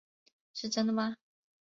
是真的吗？